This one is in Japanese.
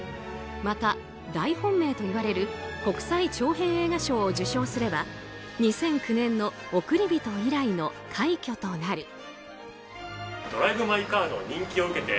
また、大本命といわれる国際長編映画賞を受賞すれば２００９年の「おくりびと」以来の快挙となる。